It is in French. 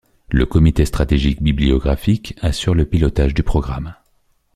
Le Comité stratégique bibliographique assure le pilotage du programme.